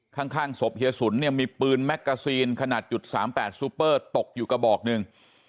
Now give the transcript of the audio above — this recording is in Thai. ข้างศพเฮียสุนเนี่ยมีปืนแมกกาซีนขนาดจุด๓๘ซูเปอร์ตกอยู่กระบอกหนึ่ง